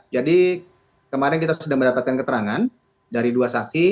jadi kemarin kita sudah mendapatkan keterangan dari dua saksi